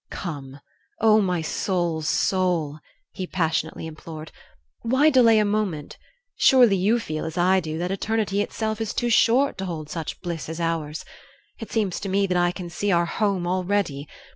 "Come, O my soul's soul," he passionately implored; "why delay a moment? Surely you feel, as I do, that eternity itself is too short to hold such bliss as ours. It seems to me that I can see our home already.